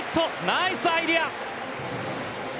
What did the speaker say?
ナイスアイデア。